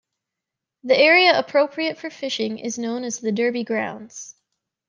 The area appropriate for fishing is known as the derby grounds.